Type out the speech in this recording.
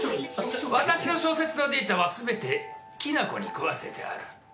私の小説のデータは全てきなこに食わせてある。